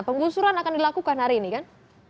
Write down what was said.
penggusuran akan dilakukan hari ini kan